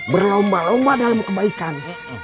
berlomba lomba dalam kebaikan